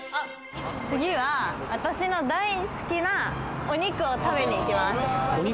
次は、私の大好きなお肉を食べに行きます。